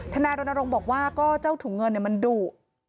นายรณรงค์บอกว่าก็เจ้าถุงเงินมันดุ